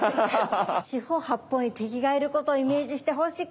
四方八方に敵がいることをイメージしてほしくてやりました。